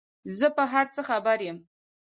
زه په هر څه خبر یم ،